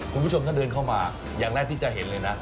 คุณผู้ชมถ้าเดินเข้ามาอย่างแรกที่จะเห็นเลยนะ